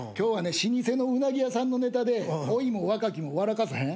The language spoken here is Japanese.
老舗の鰻屋さんのネタで老いも若きも笑かさへん？